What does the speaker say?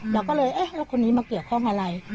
เราก็เลยเอ๊ะแล้วคนนี้มาเกี่ยวข้องอะไร